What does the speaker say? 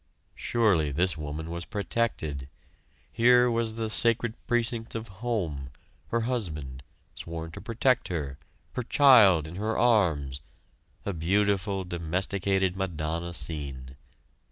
Surely this woman was protected; here was the sacred precincts of home, her husband, sworn to protect her, her child in her arms a beautiful domesticated Madonna scene.